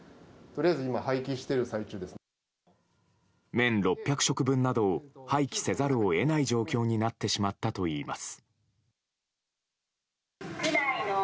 麺６００食分などを廃棄せざるを得ない状況になってしまったといいます。